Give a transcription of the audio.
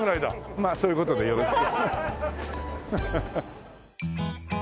まあそういう事でよろしく。